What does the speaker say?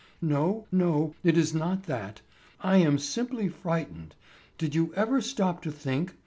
No, no, it is not that; I am simply frightened. Did you ever stop to think?"